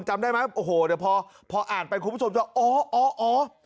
จำได้ไหมโอ้โหเดี๋ยวพออ่านไปคุณผู้ชมจะอ๋ออ๋อ